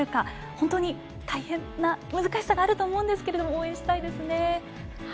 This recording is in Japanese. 本当に大変な難しさがあると思いますが応援したいですね。